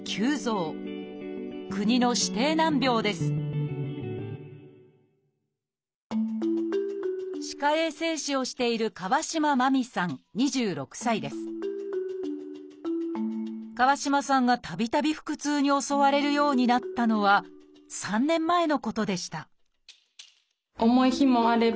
国の指定難病です歯科衛生士をしている川島さんがたびたび腹痛に襲われるようになったのは３年前のことでした